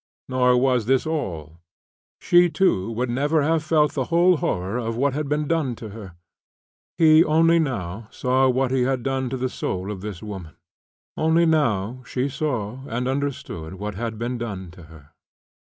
Nor was this all; she, too, would never have felt the whole horror of what had been done to her. He only now saw what he had done to the soul of this woman; only now she saw and understood what had been done to her.